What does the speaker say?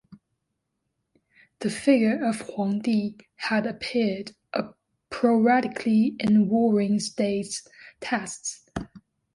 The figure of Huangdi had appeared sporadically in Warring States texts.